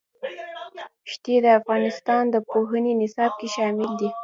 ښتې د افغانستان د پوهنې نصاب کې شامل دي.